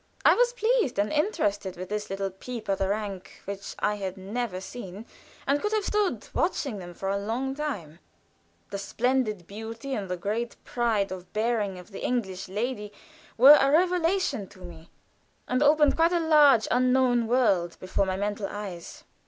I was pleased and interested with this little peep at a rank which I had never seen, and could have stood watching them for a long time; the splendid beauty and the great pride of bearing of the English lady were a revelation to me, and opened quite a large, unknown world before my mental eyes.